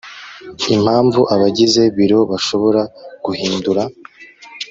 impamvu abagize biro bashobora guhindura